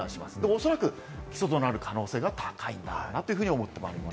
おそらく起訴となる可能性が高いかなというふうに思っております。